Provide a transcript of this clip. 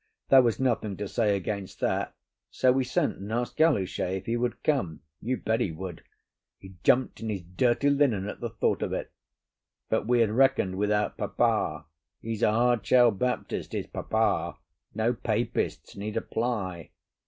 There was nothing to say against that, so we sent and asked Galuchet if he would come. You bet he would. He jumped in his dirty linen at the thought of it. But we had reckoned without Papa. He's a hard shell Baptist, is Papa; no Papists need apply.